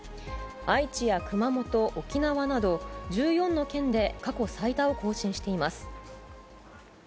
愛知や熊本、沖縄など、１４の県で過去最多を更新しています。